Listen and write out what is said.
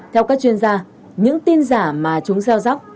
theo các chuyên gia những tin giả mà chúng gieo róc